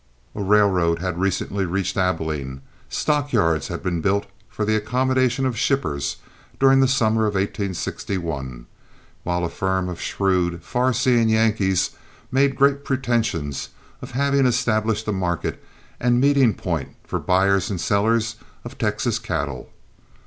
A railroad had recently reached Abilene, stockyards had been built for the accommodation of shippers during the summer of 1861, while a firm of shrewd, far seeing Yankees made great pretensions of having established a market and meeting point for buyers and sellers of Texas cattle.